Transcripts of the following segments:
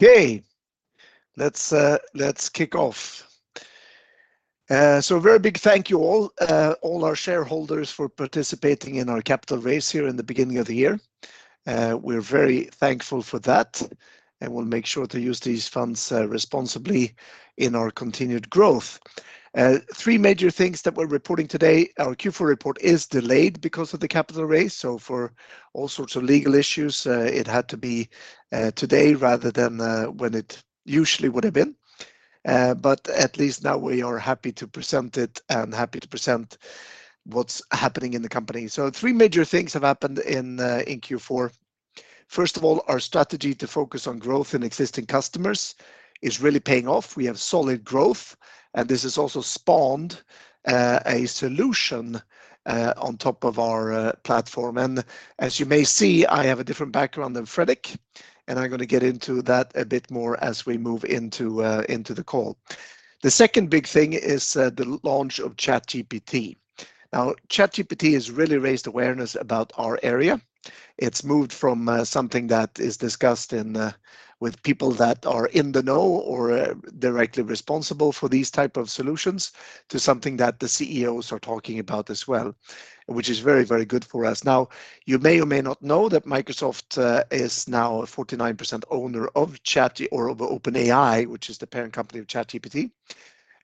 Okay, let's kick off. A very big thank you all our shareholders for participating in our capital raise here in the beginning of the year. We're very thankful for that, and we'll make sure to use these funds responsibly in our continued growth. Three major things that we're reporting today. Our Q4 report is delayed because of the capital raise, so for all sorts of legal issues, it had to be today rather than when it usually would have been. At least now we are happy to present it and happy to present what's happening in the company. Three major things have happened in Q4. First of all, our strategy to focus on growth in existing customers is really paying off. We have solid growth, and this has also spawned a solution on top of our platform. As you may see, I have a different background than Fredrik, and I'm gonna get into that a bit more as we move into the call. The second big thing is the launch of ChatGPT. ChatGPT has really raised awareness about our area. It's moved from something that is discussed in with people that are in the know or directly responsible for these type of solutions to something that the CEOs are talking about as well, which is very, very good for us. You may or may not know that Microsoft is now a 49% owner of OpenAI, which is the parent company of ChatGPT.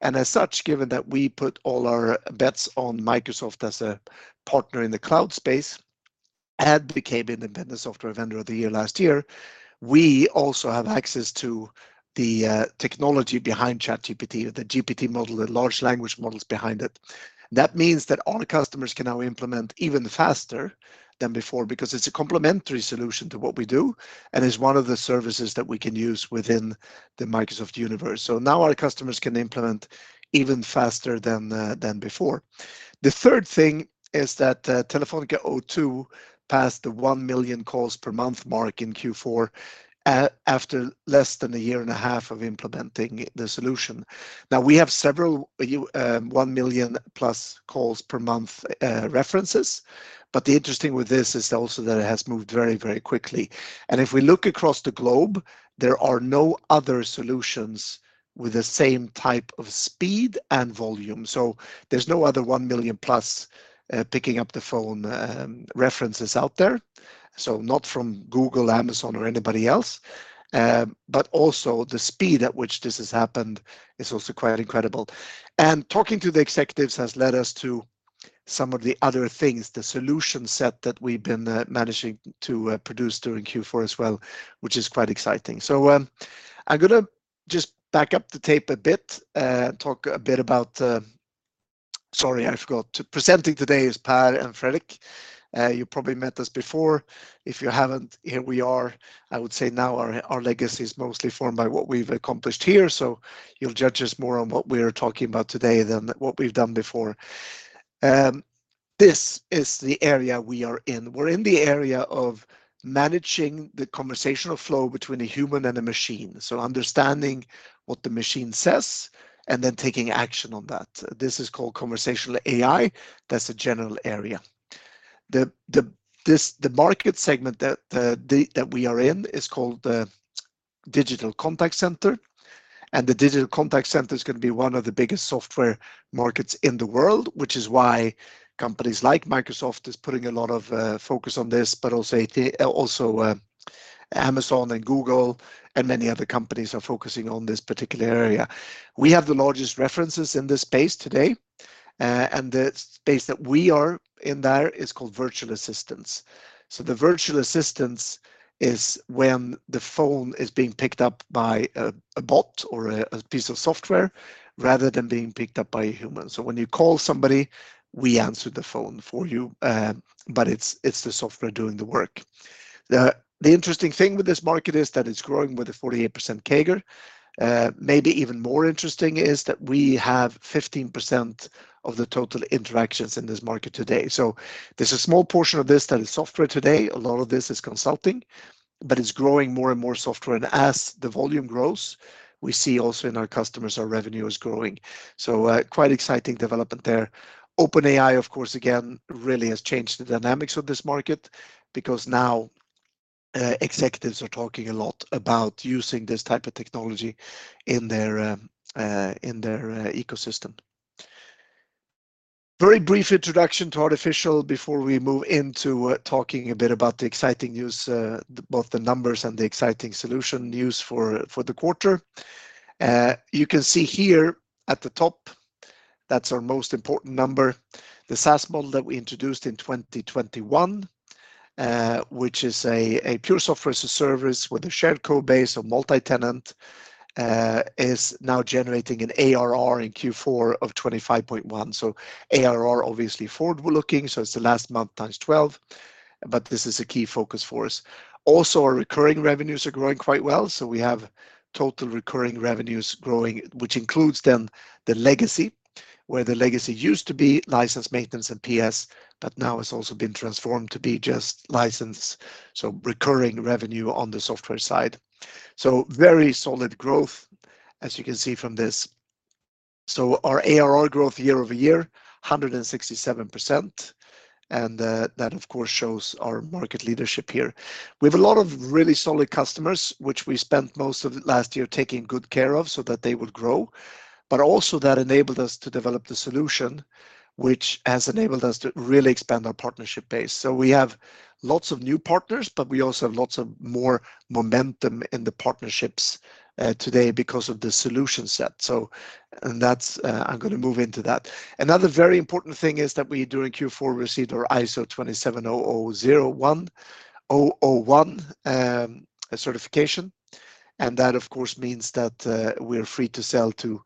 As such, given that we put all our bets on Microsoft as a partner in the cloud space and became Independent Software Vendor of the Year last year, we also have access to the technology behind ChatGPT, the GPT model, the large language models behind it. That means that our customers can now implement even faster than before because it's a complementary solution to what we do and is one of the services that we can use within the Microsoft universe. Now our customers can implement even faster than before. The third thing is that Telefónica O2 passed the 1 million calls per month mark in Q4 after less than a year and a half of implementing the solution. Now, we have several 1 million+ calls per month, references, but the interesting with this is also that it has moved very, very quickly. If we look across the globe, there are no other solutions with the same type of speed and volume. There's no other 1 million plus, picking up the phone, references out there. Not from Google, Amazon, or anybody else. Also the speed at which this has happened is also quite incredible. Talking to the executives has led us to some of the other things, the solution set that we've been, managing to, produce during Q4 as well, which is quite exciting. I'm gonna just back up the tape a bit, talk a bit about... Sorry, I forgot. Presenting today is Per and Fredrik. You probably met us before. If you haven't, here we are. I would say now our legacy is mostly formed by what we've accomplished here, so you'll judge us more on what we're talking about today than what we've done before. This is the area we are in. We're in the area of managing the conversational flow between a human and a machine. Understanding what the machine says and then taking action on that. This is called conversational AI. That's a general area. The market segment that we are in is called the digital contact center. The digital contact center is gonna be one of the biggest software markets in the world, which is why companies like Microsoft is putting a lot of focus on this, but also Amazon and Google and many other companies are focusing on this particular area. We have the largest references in this space today. The space that we are in there is called virtual assistance. The virtual assistance is when the phone is being picked up by a bot or a piece of software, rather than being picked up by a human. When you call somebody, we answer the phone for you, but it's the software doing the work. The interesting thing with this market is that it's growing with a 48% CAGR. Maybe even more interesting is that we have 15% of the total interactions in this market today. There's a small portion of this that is software today. A lot of this is consulting, but it's growing more and more software. As the volume grows, we see also in our customers, our revenue is growing. Quite exciting development there. OpenAI, of course, again, really has changed the dynamics of this market because now executives are talking a lot about using this type of technology in their ecosystem. Very brief introduction to Artificial Solutions before we move into talking a bit about the exciting news, both the numbers and the exciting solution news for the quarter. You can see here at the top, that's our most important number. The SaaS model that we introduced in 2021, which is a pure software service with a shared code base of multi-tenant, is now generating an ARR in Q4 of 25.1. ARR, obviously forward-looking, it's the last month times 12, but this is a key focus for us. Also, our recurring revenues are growing quite well, so we have total recurring revenues growing, which includes then the legacy, where the legacy used to be license, maintenance, and PS, but now it's also been transformed to be just license, so recurring revenue on the software side. Very solid growth, as you can see from this. Our ARR growth year-over-year 167% and that of course shows our market leadership here. We have a lot of really solid customers, which we spent most of last year taking good care of so that they would grow but also that enabled us to develop the solution which has enabled us to really expand our partnership base. We have lots of new partners, but we also have lots of more momentum in the partnerships today because of the solution set. That's, I'm gonna move into that. Another very important thing is that we during Q4 received our ISO 27001 certification. That of course means that we're free to sell to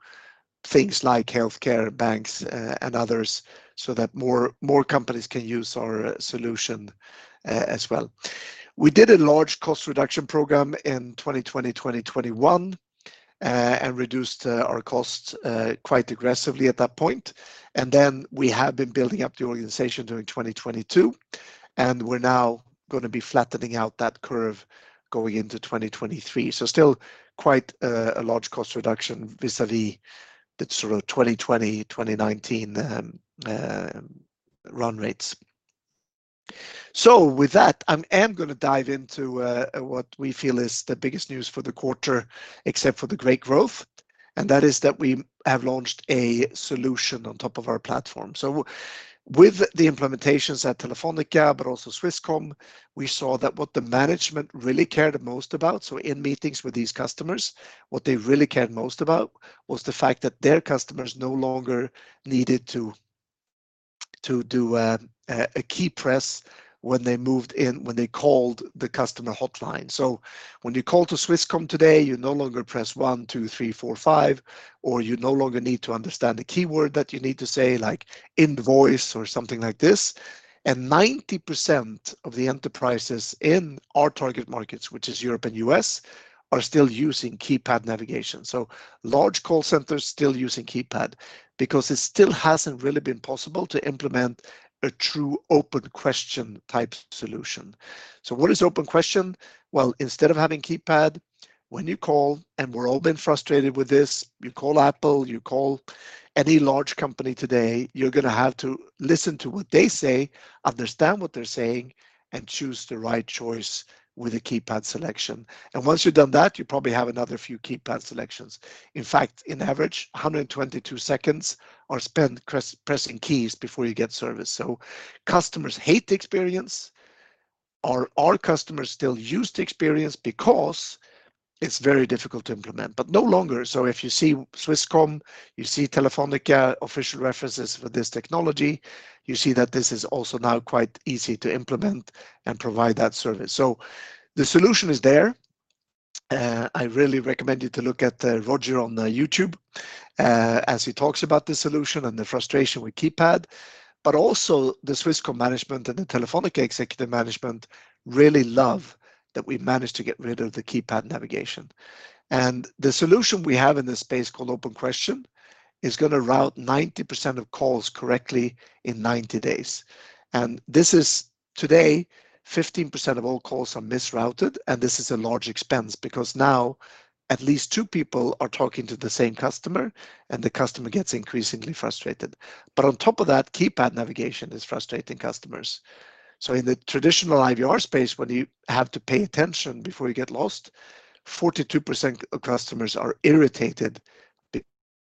things like healthcare, banks, and others so that more, more companies can use our solution as well. We did a large cost reduction program in 2020, 2021, and reduced our costs quite aggressively at that point. We have been building up the organization during 2022, and we're now going to be flattening out that curve going into 2023. Still quite a large cost reduction vis-a-vis the sort of 2020, 2019 run rates. With that, I am going to dive into what we feel is the biggest news for the quarter except for the great growth, and that is that we have launched a solution on top of our platform. With the implementations at Telefónica, but also Swisscom, we saw that what the management really cared most about. In meetings with these customers, what they really cared most about was the fact that their customers no longer needed to do a key press when they moved in, when they called the customer hotline. When you call to Swisscom today, you no longer press one, two, three, four, five, or you no longer need to understand the keyword that you need to say like invoice or something like this. 90% of the enterprises in our target markets, which is Europe and U.S., are still using keypad navigation. Large call centers still using keypad because it still hasn't really been possible to implement a true OpenQuestion type solution. What is OpenQuestion? Well, instead of having keypad, when you call, and we're all been frustrated with this, you call Apple, you call any large company today, you're gonna have to listen to what they say, understand what they're saying, and choose the right choice with a keypad selection. Once you've done that, you probably have another few keypad selections. In fact, in average, 122 seconds are spent pressing keys before you get service. Customers hate the experience or our customers still use the experience because it's very difficult to implement. No longer. If you see Swisscom, you see Telefónica official references for this technology, you see that this is also now quite easy to implement and provide that service. The solution is there. I really recommend you to look at Roger on YouTube, as he talks about the solution and the frustration with keypad. Also, the Swisscom management and the Telefónica executive management really love that we managed to get rid of the keypad navigation. The solution we have in this space called OpenQuestion is gonna route 90% of calls correctly in 90 days. This is today 15% of all calls are misrouted. This is a large expense because now at least two people are talking to the same customer, and the customer gets increasingly frustrated. On top of that, keypad navigation is frustrating customers. In the traditional IVR space, where you have to pay attention before you get lost, 42% of customers are irritated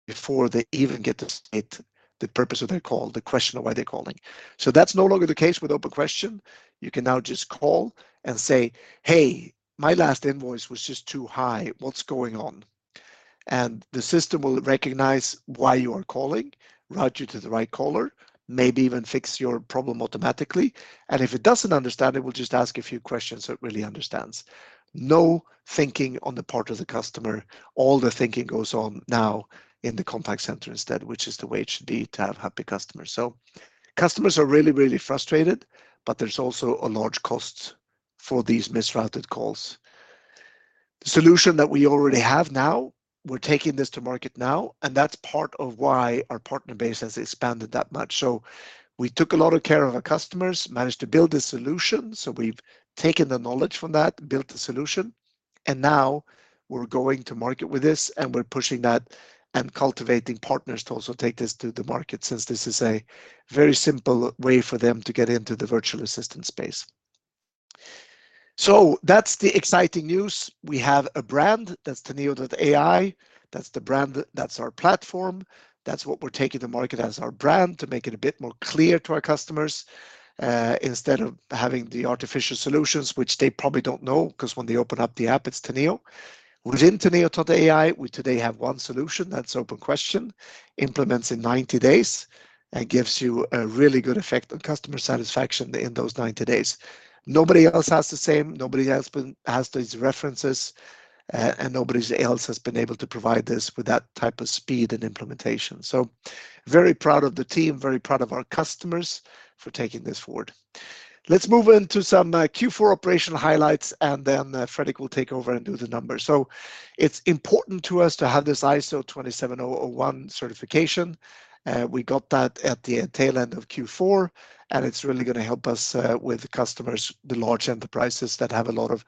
before they even get to state the purpose of their call, the question of why they're calling. That's no longer the case with OpenQuestion. You can now just call and say, "Hey, my last invoice was just too high. What's going on?" The system will recognize why you are calling, route you to the right caller, maybe even fix your problem automatically. If it doesn't understand, it will just ask a few questions so it really understands. No thinking on the part of the customer. All the thinking goes on now in the contact center instead, which is the way it should be to have happy customers. Customers are really, really frustrated, but there's also a large cost for these misrouted calls. The solution that we already have now, we're taking this to market now, and that's part of why our partner base has expanded that much. We took a lot of care of our customers, managed to build a solution. We've taken the knowledge from that, built a solution, and now we're going to market with this, and we're pushing that and cultivating partners to also take this to the market since this is a very simple way for them to get into the virtual assistant space. That's the exciting news. We have a brand, that's Teneo.ai. That's the brand, that's our platform. That's what we're taking to market as our brand to make it a bit more clear to our customers, instead of having the Artificial Solutions which they probably don't know 'cause when they open up the app, it's Teneo. Within Teneo.ai, we today have one solution, that's OpenQuestion, implements in 90 days and gives you a really good effect on customer satisfaction in those 90 days. Nobody else has the same, nobody else has these references, and nobody else has been able to provide this with that type of speed and implementation. Very proud of the team, very proud of our customers for taking this forward. Let's move into some Q4 operational highlights, and then Fredrik will take over and do the numbers. It's important to us to have this ISO 27001 certification. We got that at the tail end of Q4, and it's really gonna help us with customers, the large enterprises that have a lot of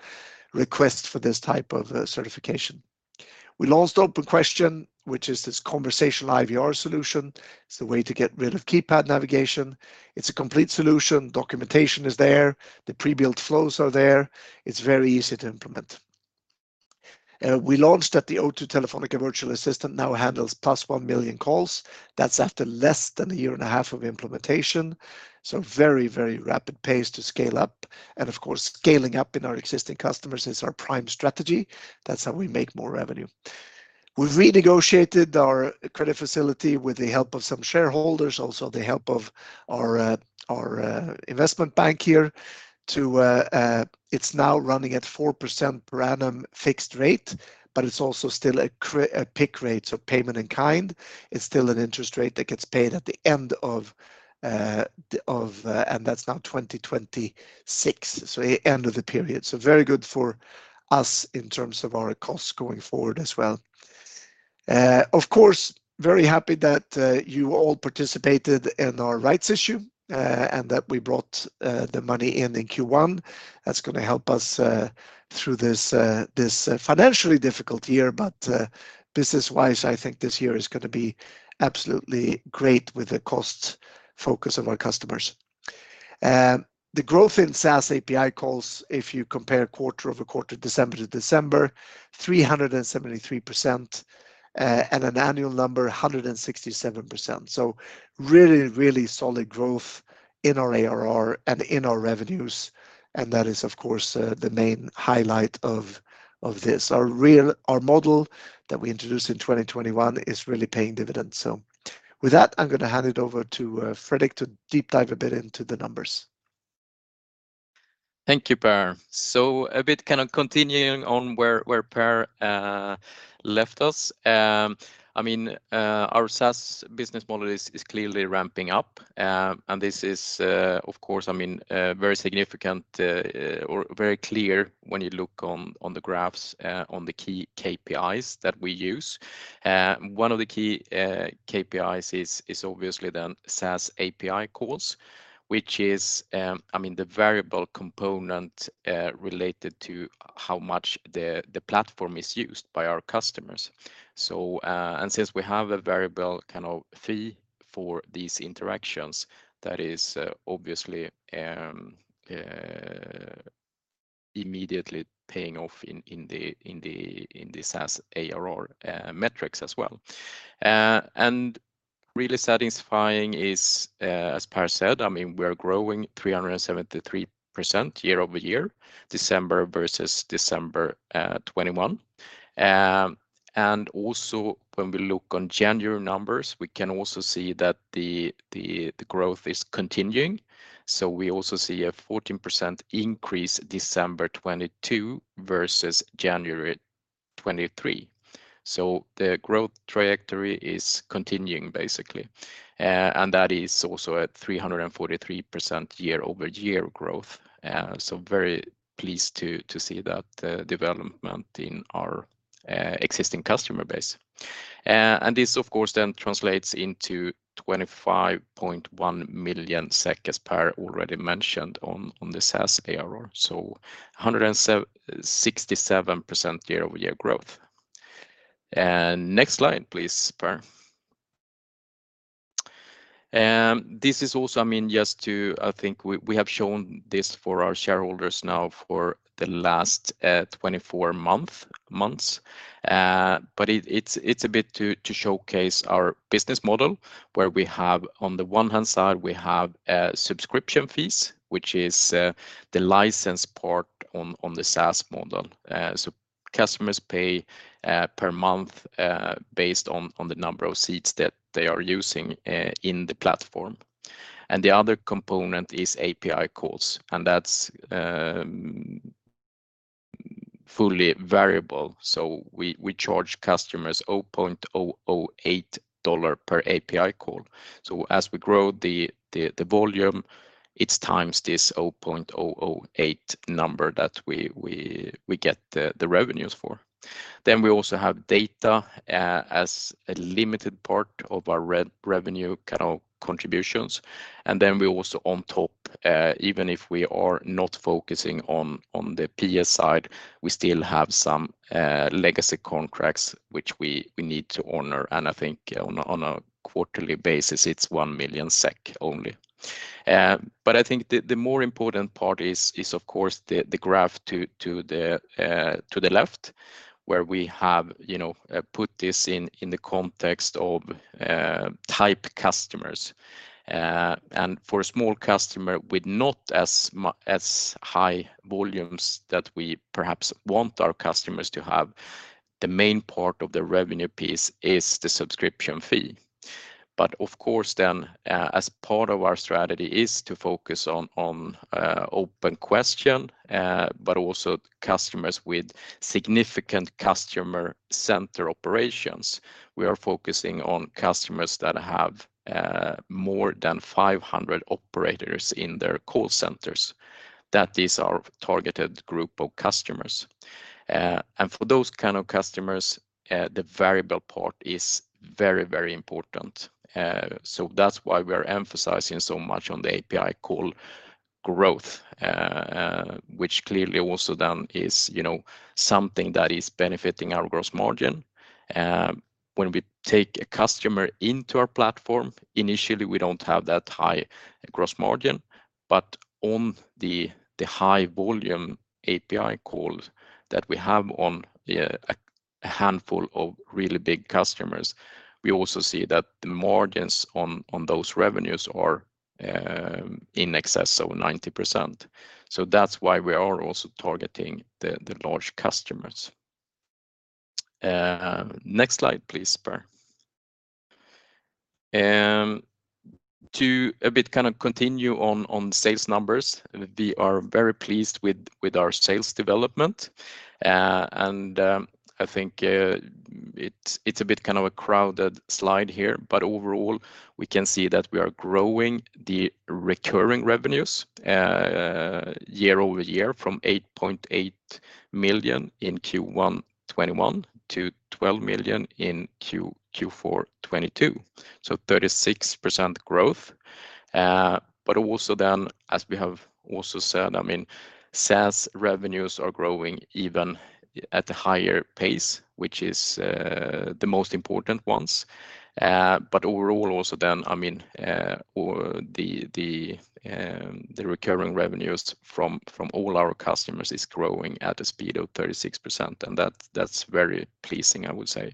requests for this type of certification. We launched OpenQuestion, which is this conversational IVR solution. It's a way to get rid of keypad navigation. It's a complete solution. Documentation is there. The pre-built flows are there. It's very easy to implement. We launched that the Telefónica O2 virtual assistant now handles +1 million calls. That's after less than a year and a half of implementation. Very rapid pace to scale up. Of course, scaling up in our existing customers is our prime strategy. That's how we make more revenue. We've renegotiated our credit facility with the help of some shareholders, also the help of our investment bank here to, it's now running at 4% per annum fixed rate, but it's also still a PIK rate, so payment in kind. It's still an interest rate that gets paid at the end of, and that's now 2026. End of the period. Very good for us in terms of our costs going forward as well. Of course, very happy that you all participated in our rights issue and that we brought the money in in Q1. That's gonna help us through this financially difficult year. Business-wise, I think this year is gonna be absolutely great with the cost focus of our customers. The growth in SaaS API calls, if you compare quarter-over-quarter, December to December, 373%, and an annual number, 167%. Really solid growth in our ARR and in our revenues. That is, of course, the main highlight of this. Our model that we introduced in 2021 is really paying dividends. With that, I'm gonna hand it over to Fredrik to deep dive a bit into the numbers. Thank you, Per. A bit kind of continuing on where Per left us. I mean, our SaaS business model is clearly ramping up. This is, of course, I mean, very significant or very clear when you look on the graphs on the key KPIs that we use. One of the key KPIs is obviously then SaaS API calls, which is, I mean, the variable component related to how much the platform is used by our customers. Since we have a variable kind of fee for these interactions, that is obviously immediately paying off in the SaaS ARR metrics as well. Really satisfying is, as Per said, I mean, we're growing 373% year-over-year, December versus December 2021. Also when we look on January numbers, we can also see that the growth is continuing. We also see a 14% increase December 2022 versus January 2023. The growth trajectory is continuing basically. That is also at 343% year-over-year growth. Very pleased to see that development in our existing customer base. This of course translates into 25.1 million, as Per already mentioned on the SaaS ARR. 167% year-over-year growth. Next slide, please, Per. This is also, I mean, I think we have shown this for our shareholders now for the last 24 months. But it's a bit to showcase our business model, where we have on the one-hand side, we have subscription fees, which is the license part on the SaaS model. Customers pay per month, based on the number of seats that they are using in the platform. The other component is API calls, and that's fully variable. We charge customers $0.008 per API call. As we grow the volume, it's times this 0.008 number that we get the revenues for. We also have data as a limited part of our revenue kind of contributions. We also on top, even if we are not focusing on the PS side, we still have some legacy contracts which we need to honor. I think on a quarterly basis, it's 1 million SEK only. I think the more important part is of course the graph to the left where we have, you know, put this in the context of type customers. For a small customer with not as high volumes that we perhaps want our customers to have, the main part of the revenue piece is the subscription fee. Of course then, as part of our strategy is to focus on OpenQuestion, but also customers with significant contact center operations. We are focusing on customers that have more than 500 operators in their contact centers. That is our targeted group of customers. And for those kind of customers, the variable part is very important. So that's why we're emphasizing so much on the API call growth, which clearly also then is, you know, something that is benefiting our gross margin. When we take a customer into our platform, initially, we don't have that high gross margin. On the high volume API calls that we have on a handful of really big customers, we also see that the margins on those revenues are in excess of 90%. That's why we are also targeting the large customers. Next slide, please, Per. To a bit kind of continue on sales numbers, we are very pleased with our sales development. I think it's a bit kind of a crowded slide here. Overall, we can see that we are growing the recurring revenues year-over-year from 8.8 million in Q1 2021 to 12 million in Q4 2022. 36% growth. As we have also said, I mean, SaaS revenues are growing even at a higher pace, which is the most important ones. Overall, I mean, the recurring revenues from all our customers is growing at a speed of 36%, and that's very pleasing, I would say.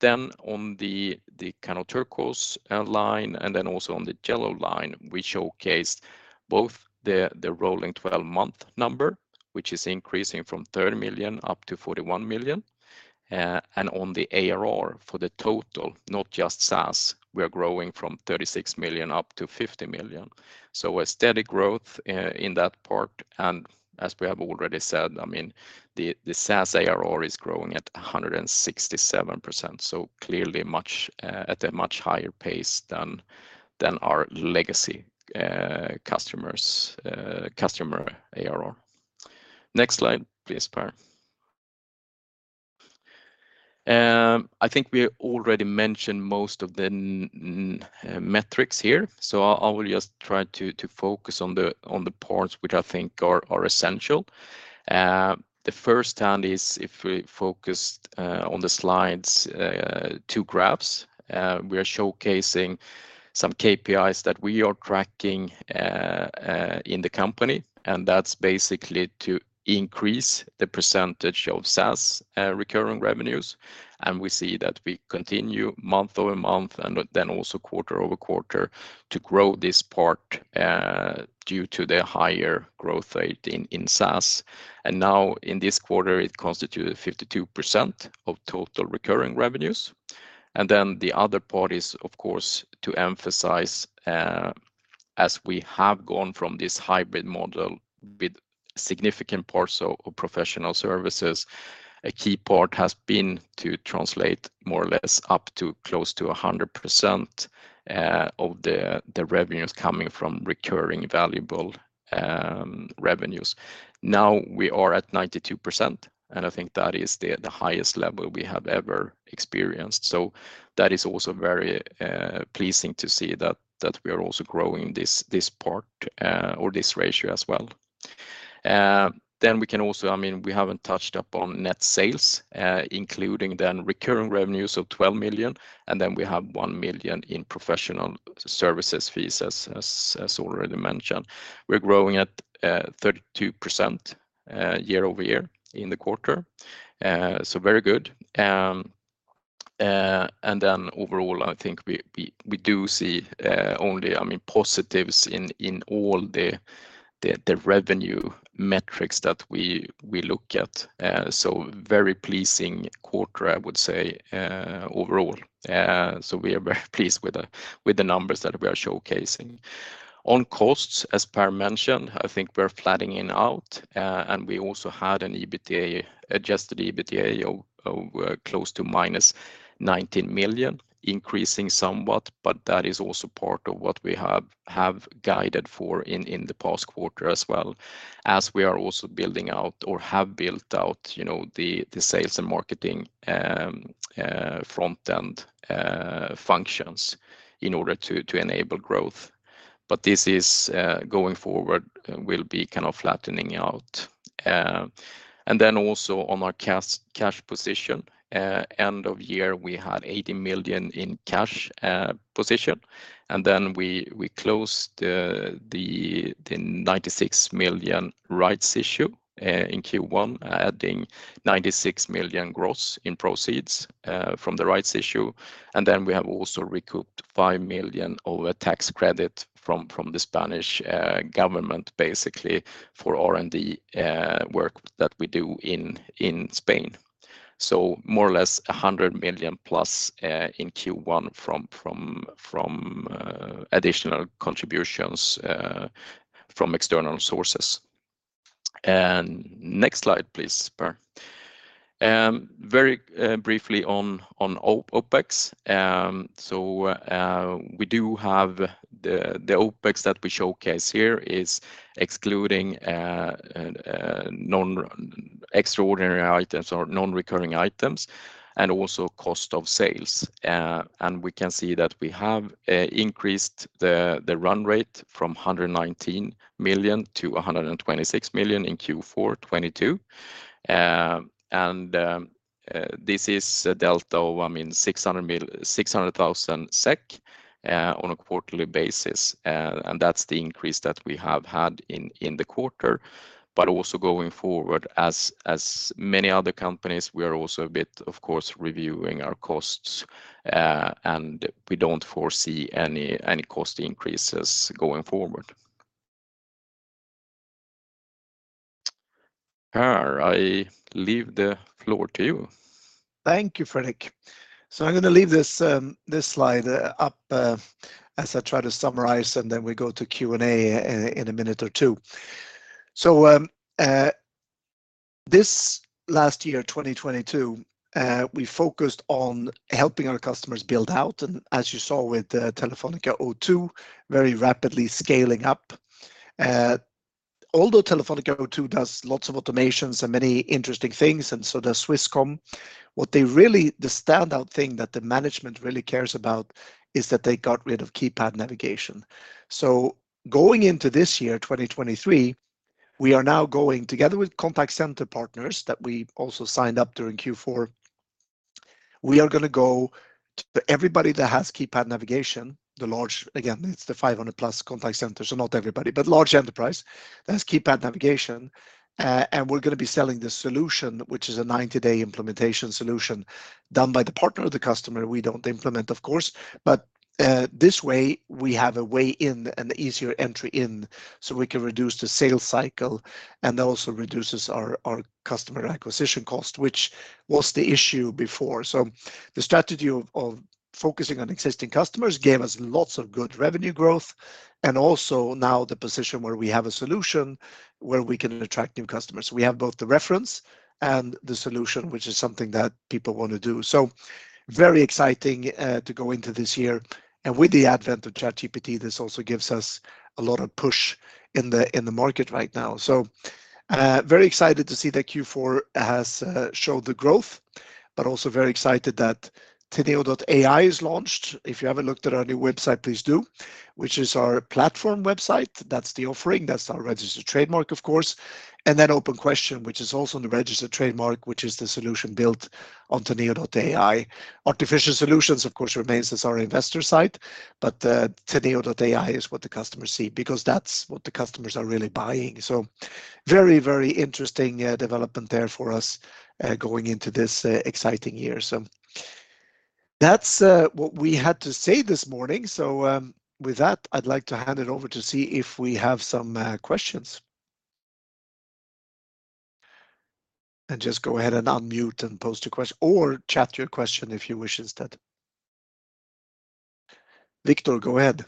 Then on the kind of turquoise line, and then also on the yellow line, we showcased both the rolling 12-month number, which is increasing from 30 million up to 41 million. On the ARR for the total, not just SaaS, we are growing from 36 million up to 50 million. A steady growth in that part. As we have already said, I mean, the SaaS ARR is growing at 167%. Clearly much at a much higher pace than our legacy customers' customer ARR. Next slide, please, Per. I think we already mentioned most of the metrics here. I will just try to focus on the parts which I think are essential. The first hand is if we focus on the slides', two graphs. We are showcasing some KPIs that we are tracking in the company, that's basically to increase the percentage of SaaS recurring revenues. We see that we continue month-over-month and then also quarter-over-quarter to grow this part due to the higher growth rate in SaaS. Now in this quarter, it constituted 52% of total recurring revenues. The other part is, of course, to emphasize, as we have gone from this hybrid model with significant parts of professional services, a key part has been to translate more or less up to close to 100% of the revenues coming from recurring valuable revenues. We are at 92%, and I think that is the highest level we have ever experienced. That is also very pleasing to see that we are also growing this part or this ratio as well. I mean, we haven't touched upon net sales, including then recurring revenues of 12 million, and then we have 1 million in professional services fees as already mentioned. We're growing at 32% year-over-year in the quarter. Very good. Overall, I think we do see only, I mean, positives in all the revenue metrics that we look at. Very pleasing quarter, I would say, overall. We are very pleased with the numbers that we are showcasing. On costs, as Per mentioned, I think we're flattening out. We also had an EBITDA, adjusted EBITDA of close to -19 million, increasing somewhat, but that is also part of what we have guided for in the past quarter as well, as we are also building out or have built out, you know, the sales and marketing front-end functions in order to enable growth. This is, going forward, will be kind of flattening out. Then also on our cash position. End of year, we had 80 million in cash position. Then we closed the 96 million rights issue in Q1, adding 96 million gross in proceeds from the rights issue. We have also recouped 5 million of a tax credit from the Spanish government, basically for R&D work that we do in Spain. More or less 100 million+ in Q1 from additional contributions from external sources. Next slide, please, Per. Very briefly on OpEx. We do have the OpEx that we showcase here is excluding non-extraordinary items or non-recurring items and also cost of sales. We can see that we have increased the run rate from 119 million to 126 million in Q4 2022. This is a delta of, I mean, 600,000 SEK on a quarterly basis. That's the increase that we have had in the quarter. Also going forward, as many other companies, we are also a bit, of course, reviewing our costs, and we don't foresee any cost increases going forward. Per, I leave the floor to you. Thank you, Fredrik. I'm gonna leave this slide up as I try to summarize, and then we go to Q&A in a minute or two. This last year, 2022, we focused on helping our customers build out. As you saw with Telefónica O2 very rapidly scaling up. Although Telefónica O2 does lots of automations and many interesting things, and so does Swisscom, what they really the standout thing that the management really cares about is that they got rid of keypad navigation. Going into this year, 2023, we are now going together with contact center partners that we also signed up during Q4. We are gonna go to everybody that has keypad navigation. Again, it's the 500+ contact centers, not everybody, but large enterprise that's keypad navigation. We're gonna be selling this solution, which is a 90-day implementation solution done by the partner of the customer. We don't implement, of course, but this way we have a way in and easier entry in, so we can reduce the sales cycle, and that also reduces our customer acquisition cost, which was the issue before. The strategy of focusing on existing customers gave us lots of good revenue growth and also now the position where we have a solution where we can attract new customers. We have both the reference and the solution, which is something that people wanna do. Very exciting to go into this year. With the advent of ChatGPT, this also gives us a lot of push in the market right now. Very excited to see that Q4 has showed the growth, but also very excited that Teneo.ai is launched. If you haven't looked at our new website, please do, which is our platform website. That's the offering. That's our registered trademark, of course, and then OpenQuestion, which is also the registered trademark, which is the solution built on Teneo.ai. Artificial Solutions, of course, remains as our investor site, but Teneo.ai is what the customers see because that's what the customers are really buying. Very, very interesting development there for us going into this exciting year. That's what we had to say this morning. With that, I'd like to hand it over to see if we have some questions. Just go ahead and unmute and pose or chat your question if you wish instead. Victor, go ahead.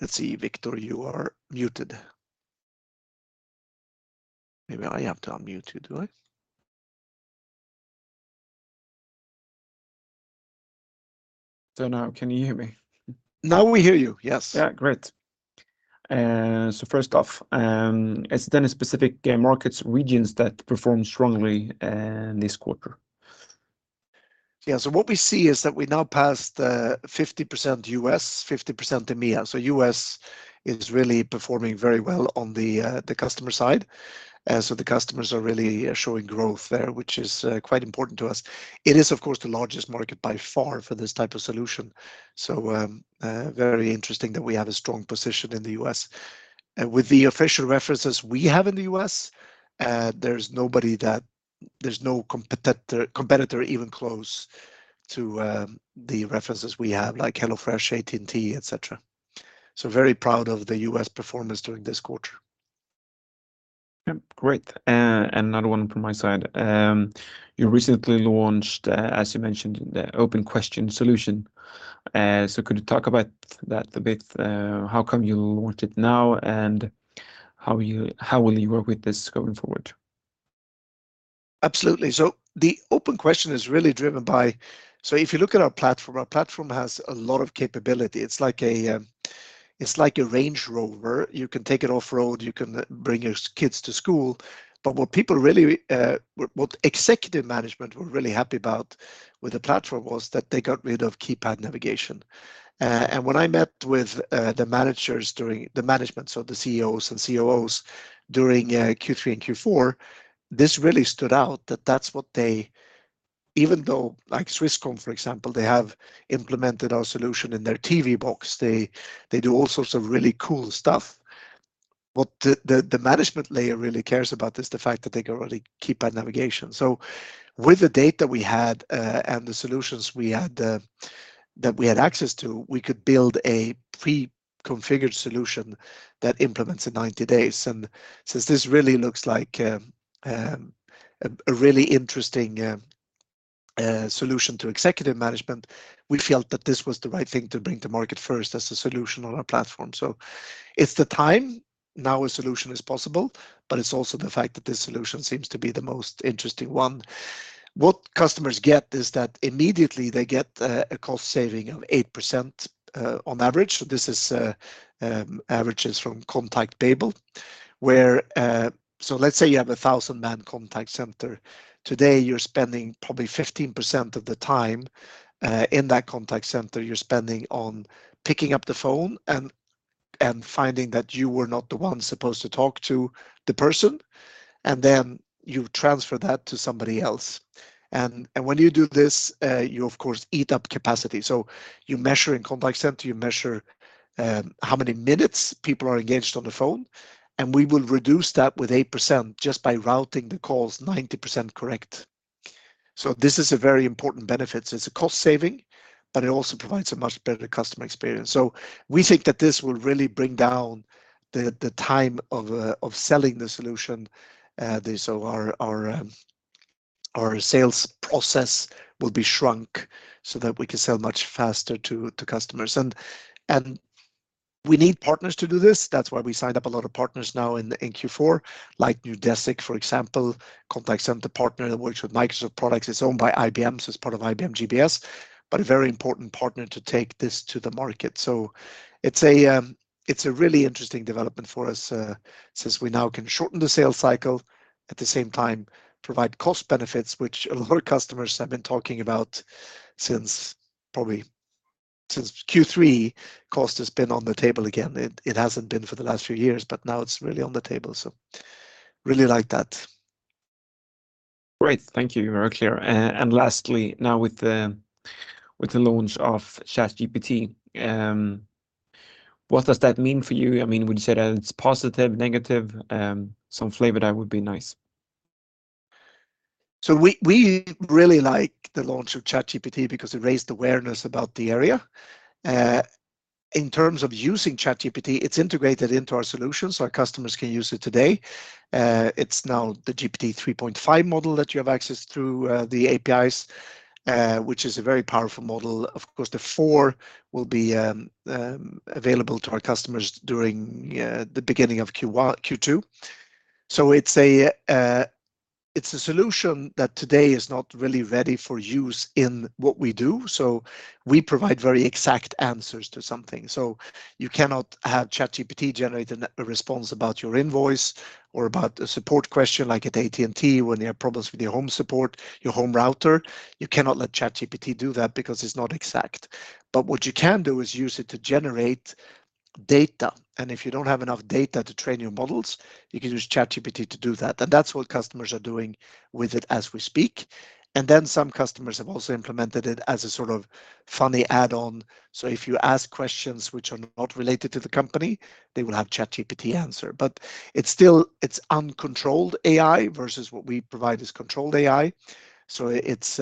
Let's see, Victor, you are muted. Maybe I have to unmute you, do I? Don't know. Can you hear me? Now we hear you. Yes. Yeah. Great. First off, has there been specific markets, regions that performed strongly, this quarter? Yeah. What we see is that we now passed, 50% U.S., 50% EMEA. U.S. is really performing very well on the customer side. The customers are really showing growth there, which is quite important to us. It is of course, the largest market by far for this type of solution. Very interesting that we have a strong position in the U.S. With the official references we have in the U.S., there's nobody that there's no competitor even close to the references we have, like HelloFresh, AT&T, etc. Very proud of the U.S. performance during this quarter. Yep. Great. Another one from my side. You recently launched, as you mentioned, the OpenQuestion solution. Could you talk about that a bit? How come you launched it now, and how will you work with this going forward? Absolutely. The OpenQuestion is really driven by... If you look at our platform, our platform has a lot of capability. It's like a, it's like a Range Rover. You can take it off-road. You can bring your kids to school. What people really, what executive management were really happy about with the platform was that they got rid of keypad navigation. When I met with the management, so the CEOs and COOs during Q3 and Q4, this really stood out that that's what they even though, like Swisscom for example, they have implemented our solution in their TV box. They do all sorts of really cool stuff. What the management layer really cares about is the fact that they got rid of keypad navigation. With the data we had, and the solutions we had, that we had access to, we could build a pre-configured solution that implements in 90 days. Since this really looks like a really interesting solution to executive management. We felt that this was the right thing to bring to market first as a solution on our platform. It's the time now a solution is possible, but it's also the fact that this solution seems to be the most interesting one. What customers get is that immediately they get a cost saving of 8% on average. This is averages from ContactBabel, where, let's say you have a 1,000-man contact center. Today, you're spending probably 15% of the time, in that contact center, you're spending on picking up the phone and finding that you were not the one supposed to talk to the person, and then you transfer that to somebody else. When you do this, you of course eat up capacity. You measure in contact center, you measure how many minutes people are engaged on the phone, and we will reduce that with 8% just by routing the calls 90% correct. This is a very important benefit. It's a cost saving, but it also provides a much better customer experience. We think that this will really bring down the time of selling the solution. This of our sales process will be shrunk so that we can sell much faster to customers. We need partners to do this. That's why we signed up a lot of partners now in Q4, like Neudesic, for example, contact center partner that works with Microsoft products. It's owned by IBM, so it's part of IBM GBS, but a very important partner to take this to the market. It's a really interesting development for us since we now can shorten the sales cycle, at the same time, provide cost benefits, which a lot of customers have been talking about since probably since Q3, cost has been on the table again. It hasn't been for the last few years, but now it's really on the table. Really like that. Great. Thank you. Very clear. Lastly, now with the launch of ChatGPT, what does that mean for you? I mean, would you say that it's positive, negative? Some flavor there would be nice. We really like the launch of ChatGPT because it raised awareness about the area. In terms of using ChatGPT, it's integrated into our solution, so our customers can use it today. It's now the GPT-3.5 model that you have access through the APIs, which is a very powerful model. Of course, the four will be available to our customers during the beginning of Q1, Q2. It's a solution that today is not really ready for use in what we do. We provide very exact answers to something. You cannot have ChatGPT generate a response about your invoice or about a support question, like at AT&T, when you have problems with your home support, your home router. You cannot let ChatGPT do that because it's not exact. What you can do is use it to generate data. If you don't have enough data to train your models, you can use ChatGPT to do that. That's what customers are doing with it as we speak. Some customers have also implemented it as a sort of funny add-on. If you ask questions which are not related to the company, they will have ChatGPT answer. It's still, it's uncontrolled AI versus what we provide is controlled AI. It's,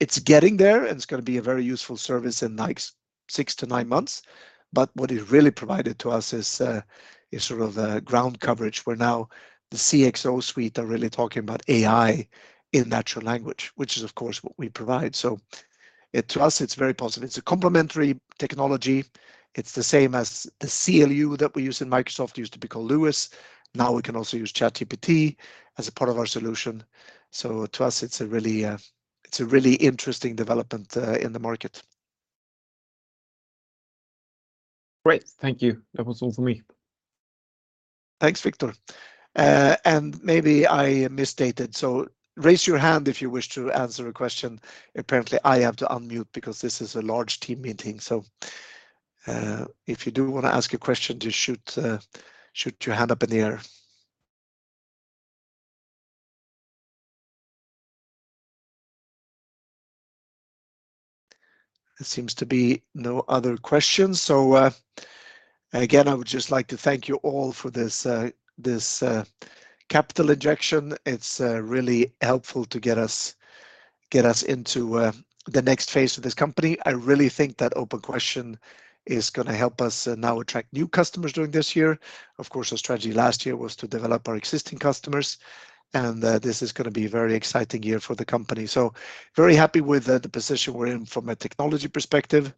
it's getting there, and it's gonna be a very useful service in like 6-9 months. What it really provided to us is sort of ground coverage, where now the CXO suite are really talking about AI in natural language, which is, of course, what we provide. It, to us, it's very positive. It's a complementary technology. It's the same as the CLU that we use in Microsoft, used to be called LUIS. Now we can also use ChatGPT as a part of our solution. To us, it's a really interesting development, in the market. Great. Thank you. That was all for me. Thanks, Victor. Maybe I misstated, so raise your hand if you wish to answer a question. Apparently, I have to unmute because this is a large team meeting. If you do wanna ask a question, just shoot your hand up in the air. There seems to be no other questions. Again, I would just like to thank you all for this capital injection. It's really helpful to get us into the next phase of this company. I really think that OpenQuestion is gonna help us now attract new customers during this year. Of course, our strategy last year was to develop our existing customers. This is gonna be a very exciting year for the company. Very happy with, the position we're in from a technology perspective,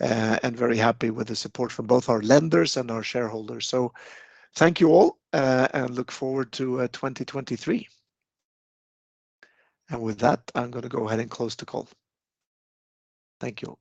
and very happy with the support from both our lenders and our shareholders. Thank you all, and look forward to, 2023. With that, I'm gonna go ahead and close the call. Thank you.